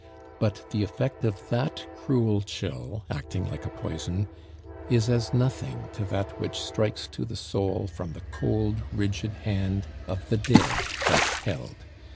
But the effect of that cruel chill, acting like a poison, is as nothing to that which strikes to the soul from the cold, rigid hand of the dead thus held.